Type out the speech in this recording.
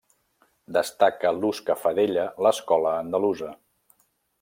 Destaca l'ús que fa d'ella l'Escola Andalusa.